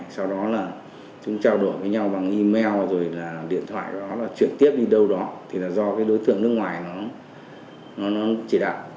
sau đó là chúng trao đổi với nhau bằng email rồi là điện thoại đó là chuyển tiếp đi đâu đó thì là do cái đối tượng nước ngoài nó chỉ đạo